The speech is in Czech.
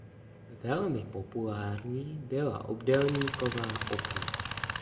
Velmi populární byla obdélníková okna.